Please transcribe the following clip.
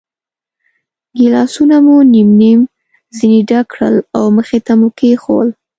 ګیلاسونه مو نیم نیم ځنې ډک کړل او مخې ته مو کېښوول.